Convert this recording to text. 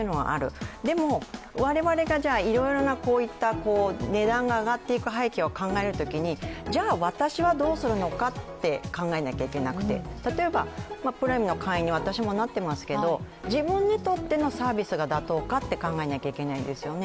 でも、我々がじゃあいろいろなこういった値段が上がっていく背景を考えたときに私はどうするのかって考えなきゃいけなくて、例えば、プライムの会員に私もなっていますが自分にとってのサービスが妥当かと考えないといけないですよね。